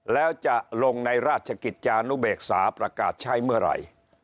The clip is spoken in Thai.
แล้วจะลงในราชกิจจานุเบกษาประกาศใช้เมื่อไหร่